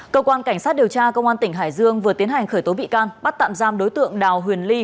cơ quan cảnh sát điều tra công an tỉnh hải dương vừa tiến hành khởi tố bị can bắt tạm giam đối tượng đào huyền